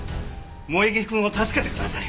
萌衣くんを助けてください！